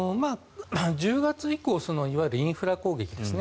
１０月以降いわゆるインフラ攻撃ですね